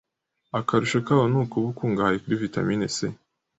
Akarusho kawo ni ukuba ukungahaye kuri vitamin C